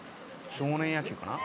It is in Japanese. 少年野球かな」